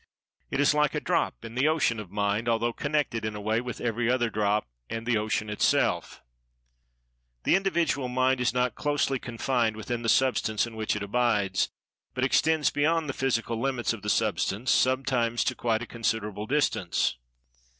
It is like a drop in the Ocean of Mind, although connected, in a way, with every other drop, and the Ocean itself. The individual Mind is not closely confined within the Substance in which it abides, but extends beyond the physical limits of the Substance, sometimes to a quite considerable distance.